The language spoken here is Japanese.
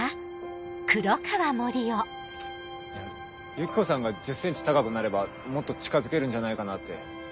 ユキコさんが１０ｃｍ高くなればもっと近づけるんじゃないかなって。